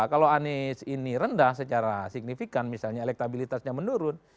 kalau anies ini rendah secara signifikan misalnya elektabilitasnya menurun